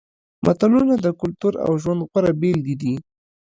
متلونه د کلتور او ژوند غوره بېلګې دي